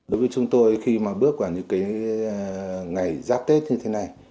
đối với chúng tôi khi mà bước vào những cái ngày giáp tết như thế này